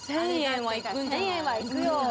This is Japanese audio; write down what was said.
１，０００円はいくよ。